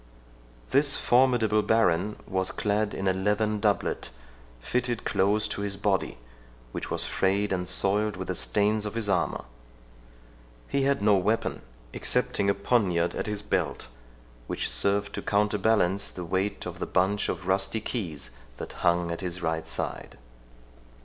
This formidable baron was clad in a leathern doublet, fitted close to his body, which was frayed and soiled with the stains of his armour. He had no weapon, excepting a poniard at his belt, which served to counterbalance the weight of the bunch of rusty keys that hung at his right side.